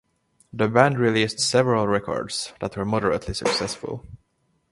The band released several records that were moderately successful.